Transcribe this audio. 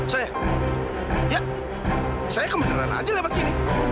saya ya saya kebenaran aja lewat sini